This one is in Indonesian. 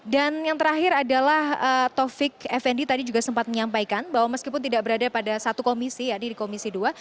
dan yang terakhir adalah taufik effendi tadi juga sempat menyampaikan bahwa meskipun tidak berada pada satu komisi ya di komisi dua